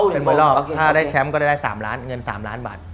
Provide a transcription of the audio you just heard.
เป็นหมดรอบถ้าได้แชมป์ก็ได้เงิน๓ล้านบาท